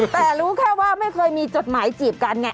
แต่รู้แค่ว่าไม่เคยมีจดหมายจีบกันไง